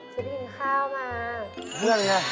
เจ๊ไปกินข้าวมา